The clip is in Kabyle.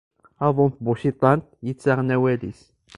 Aḍu n tbuciḍant yettaɣen awal-is.